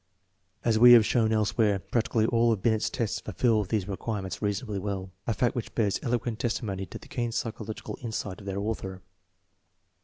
,;' As we have shown elsewhere, 1 pfactically all of Binet's tests fulfill these re quirements reasonably well, a fact which bears eloquent testimony to the keen psychological insight oftfoeir author.